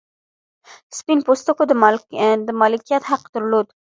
سپین پوستو د مالکیت حق درلود.